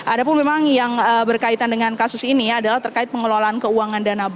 ada pun memang yang berkaitan dengan kasus ini adalah terkait pengelolaan keuangan dana